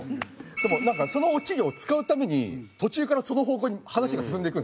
でもそのオチを使うために途中からその方向に話が進んでいくんですよ。